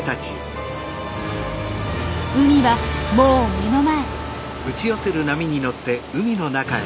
海はもう目の前。